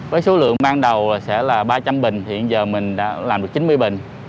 với số lượng ban đầu sẽ là ba trăm linh bình hiện giờ mình đã làm được chín mươi bình